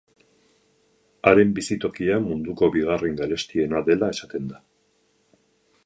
Haren bizitokia munduko bigarren garestiena dela esaten da.